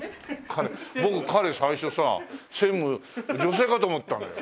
僕彼最初さ専務女性かと思ったのよ。